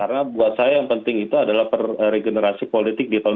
karena buat saya yang penting itu adalah regenerasi politik di tahun dua ribu dua